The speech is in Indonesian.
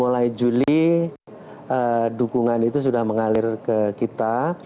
mulai juli dukungan itu sudah mengalir ke kita